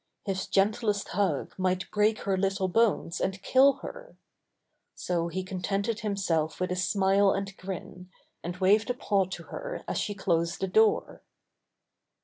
His gentlest hug might break her little bones and kill her. So he con tented himself with a smile and grin, and waved a paw to her as she closed the door.